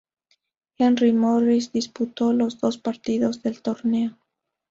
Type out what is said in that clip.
Henry Morris disputó los dos partidos del torneo.